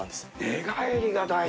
寝返りが大事。